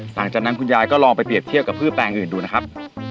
หลังจากนั้นคุณยายก็ลองไปเรียบเทียบกับพืชแปลงอื่นดูนะครับ